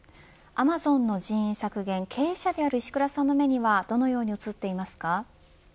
アマゾンの人員削減経営者である石倉さんの目にはどのように映っていますか。